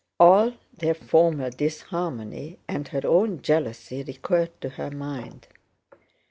All their former disharmony and her own jealousy recurred to her mind.